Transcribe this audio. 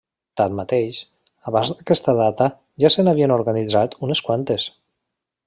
Tanmateix, abans d'aquesta data ja se n'havien organitzat unes quantes.